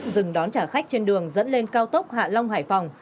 dừng đón trả khách trên đường dẫn lên cao tốc hạ long hải phòng